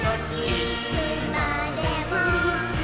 いつまでも。